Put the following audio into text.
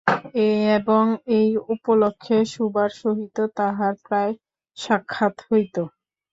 এবং এই উপলক্ষে সুভার সহিত তাহার প্রায় সাক্ষাৎ হইত।